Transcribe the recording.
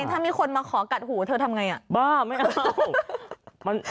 ถ้ามีคนมาขอกัดหูเธอทำไงบ้าไม่เอา